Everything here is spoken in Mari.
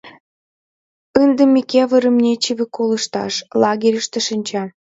— Ынде Микывырым нечыве колышташ — лагерьыште шинча.